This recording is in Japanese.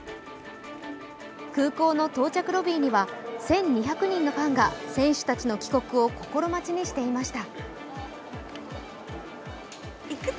空港の到着ロビーには１２００人のファンが選手たちの帰国を心待ちにしていました。